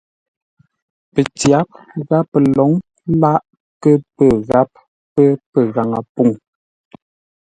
Pətyáp gháp pəlǒŋ láʼ kə pə́ gháp pə́ pəghaŋə pûŋ.